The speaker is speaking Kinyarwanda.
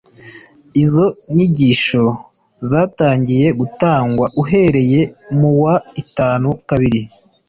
Izo nyigisho zatangiye gutangwa uhereye mu wa itanu kabiri.